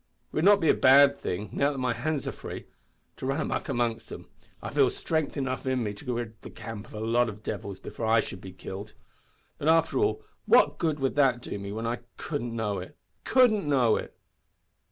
It would not be a bad thing, now that my hands are free, to run a muck amongst 'em. I feel strength enough in me to rid the camp of a lot of devils before I should be killed! But, after all, what good would that do me when I couldn't know it couldn't know it!